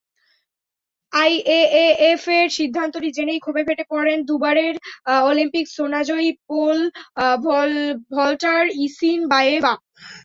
আইএএএফের সিদ্ধান্তটি জেনেই ক্ষোভে ফেটে পড়েন দুবারের অলিম্পিক সোনাজয়ী পোল ভল্টার ইসিনবায়েভা।